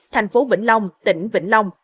thành phố vĩnh long tỉnh vĩnh long